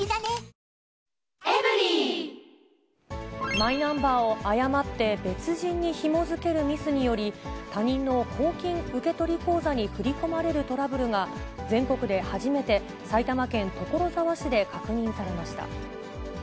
マイナンバーを誤って別人にひも付けるミスにより、他人の公金受取口座に振り込まれるトラブルが、全国で初めて、埼玉県所沢市で確認されました。